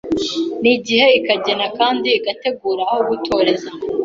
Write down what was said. n’igihe ikagena kandi igategura aho gutoreza.